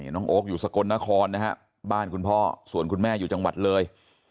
น้องโอ๊คอยู่สกลนครนะฮะบ้านคุณพ่อส่วนคุณแม่อยู่จังหวัดเลย